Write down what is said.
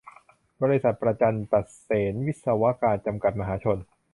บริษัท ประจันตะเสนวิศวการ จำกัด มหาชน